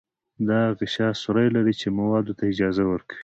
دا غشا سوري لري چې موادو ته اجازه ورکوي.